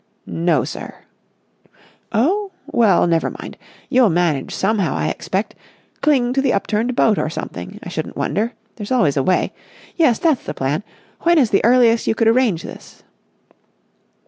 "No, sir." "Oh? Well, never mind. You'll manage somehow, I expect. Cling to the upturned boat or something, I shouldn't wonder. There's always a way. Yes, that's the plan. When is the earliest you could arrange this?"